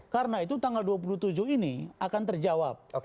karena itu tanggal dua puluh tujuh ini akan terjawab